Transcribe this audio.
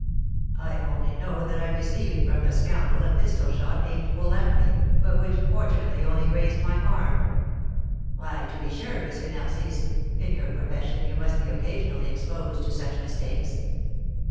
"I only know that I received from the scoundrel a pistol shot aimed full at me, but which, fortunately, only grazed my arm." "Why, to be sure, M. Narcisse, in your profession you must be occasionally exposed to such mistakes!"